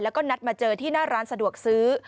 แล้วก็นัดมาเจอที่หน้าร้านสะดวกซื้อ